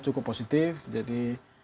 cukup positif jadi